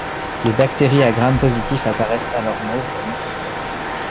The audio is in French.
Les bactéries à Gram positif apparaissent alors mauves au microscope.